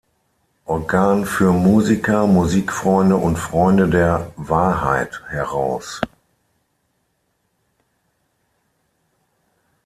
Organ für Musiker, Musikfreunde und Freunde der Wahrheit“" heraus.